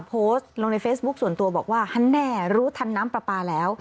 โพสต์ลงในเฟซบุ๊คส่วนตัวบอกว่าฮันแน่รู้ทันน้ำปลาปลาแล้ว